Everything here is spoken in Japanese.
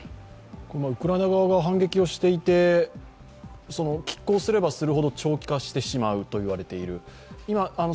ウクライナ側が反撃をしていてきっ抗すればするほど長期化してしまうと言われている。